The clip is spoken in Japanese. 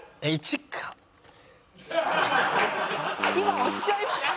今おっしゃいました。